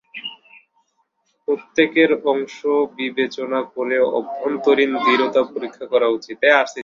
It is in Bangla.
প্রত্যেকের অংশ বিবেচনা করে অভ্যন্তরীণ দৃঢ়তা পরীক্ষা করা উচিত।